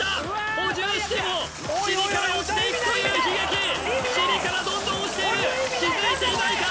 補充しても尻から落ちていくという悲劇尻からどんどん落ちている気づいていないか？